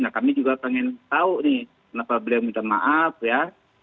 nah kami juga pengen tahu nih kenapa beliau minta maaf ya